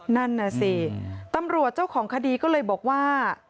นั่นน่ะสิตำรวจเจ้าของคดีก็เลยบอกว่า